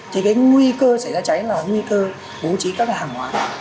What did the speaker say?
thì cái nguy cơ xảy ra cháy là nguy cơ bố trí các cái hàng hóa